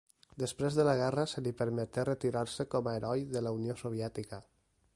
Després de la guerra se li permeté retirar-se com a Heroi de la Unió Soviètica.